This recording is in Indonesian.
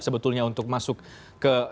sebetulnya untuk masuk ke